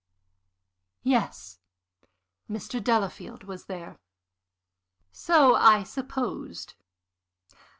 "Yes. Mr. Delafield was there." "So I supposed.